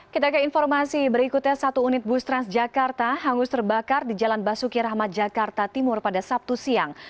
kita ke informasi berikutnya satu unit bus transjakarta hangus terbakar di jalan basuki rahmat jakarta timur pada sabtu siang